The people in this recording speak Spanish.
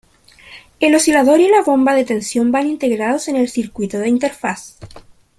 El oscilador y la bomba de tensión van integrados en el circuito de interfaz.